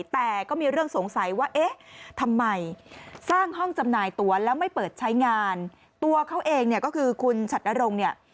แต่ก็มีเรื่องสงสัยว่าเอ๊ะทำไมสร้างห้องจำหน่ายตัวแล้วไม่เปิดใช้งานตัวเขาเองเนี่ยก็คือคุณฉัดนรงเนี่ย